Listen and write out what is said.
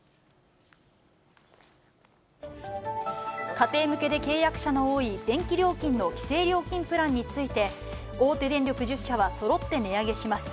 家庭向けで契約者の多い電気料金の規制料金プランについて、大手電力１０社はそろって値上げします。